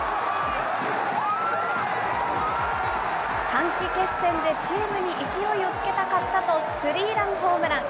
短期決戦でチームに勢いをつけたかったと、スリーランホームラン。